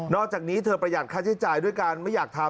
อกจากนี้เธอประหยัดค่าใช้จ่ายด้วยการไม่อยากทำ